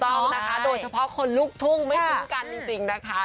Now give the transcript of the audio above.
ใช่ครับโดยเฉพาะคนลุกทุ้งไม่ทุ้งกันจริงนะคะ